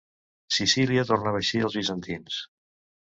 Sicília tornava així als bizantins.